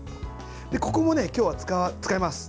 ここも今日は使います。